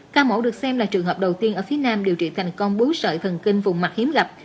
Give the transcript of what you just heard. ca mổ được xem là trường hợp đầu tiên ở phía nam điều trị thành công bú sợi thần kinh vùng mặt hiếm gặp